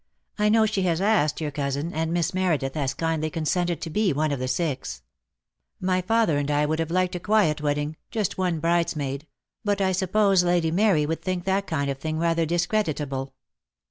I know she has asked your cousin, and Miss Meredith has kindly consented to be one of the six. My Dead Love has Chains. 1 6 242 DEAD LOVE HAS CHAINS. father and I would have Uked a quiet wedding — ^just one bridesmaid — but I suppose Lady Mary would think that kind of thing rather discredit able."